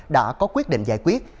đã có quyết định giải quyết